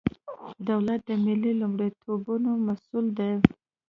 دولت د ملي لومړیتوبونو مسئول دی.